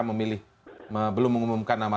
memilih belum mengumumkan nama